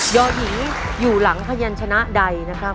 อหญิงอยู่หลังพยันชนะใดนะครับ